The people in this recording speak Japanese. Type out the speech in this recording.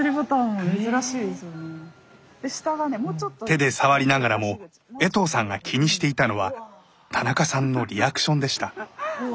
手で触りながらも衛藤さんが気にしていたのは田中さんのリアクションでした。